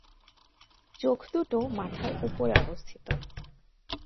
চোখ দুটো মাথার উপরে অবস্থিত।